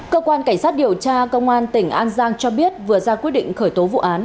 cơ quan cảnh sát điều tra công an tỉnh an giang cho biết vừa ra quyết định khởi tố vụ án